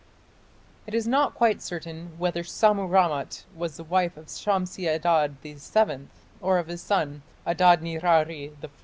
It is not quite certain whether Sammu rammat was the wife of Shamshi Adad VII or of his son, Adad nirari IV.